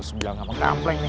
sebelah ngampleng nih